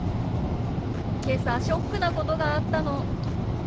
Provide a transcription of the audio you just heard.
「けさショックなことがあったの」。